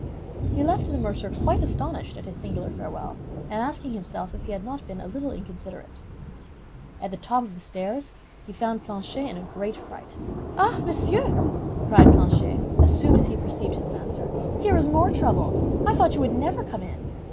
He left the mercer quite astonished at his singular farewell, and asking himself if he had not been a little inconsiderate. At the top of the stairs he found Planchet in a great fright. "Ah, monsieur!" cried Planchet, as soon as he perceived his master, "here is more trouble. I thought you would never come in."